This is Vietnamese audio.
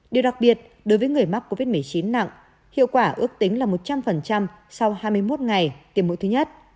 điều đặc biệt đối với người mắc covid một mươi chín nặng hiệu quả ước tính là một trăm linh sau hai mươi một ngày tiêm mũi thứ nhất